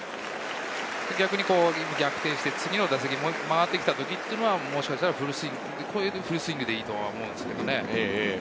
逆転して次の打席、回ってきた時というのは、もしかしたらフルスイングでいいと思うんですよ。